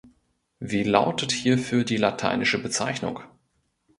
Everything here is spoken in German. Wie lautet hierfür die lateinische Bezeichnung?